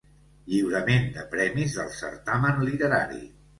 Lliurament de premis del certamen literari.